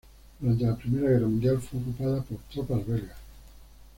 Durante la Primera Guerra Mundial fue ocupada por tropas belgas.